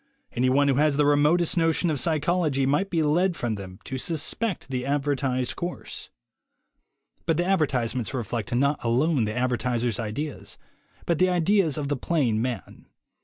Any one who has the remotest notion of psychology might be led from them to suspect the advertised course. But the l 2 THE WAY TO WILL POWER advertisements reflect not alone the advertiser's ideas, but the ideas of the plain man.